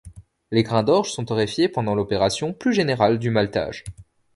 Les grains d'orge sont torréfiés pendant l'opération plus générale du maltage.